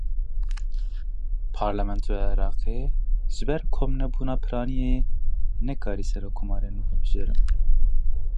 Parlamentoya Iraqê ji ber komnebûna piraniyê nekarî serokkomarê nû hilbijêre.